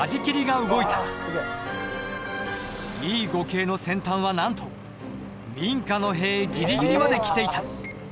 Ｅ５系の先端はなんと民家の塀ギリギリまで来ていた。